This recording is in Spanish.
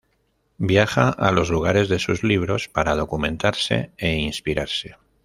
Viaja a los lugares de sus libros para documentarse e inspirarse.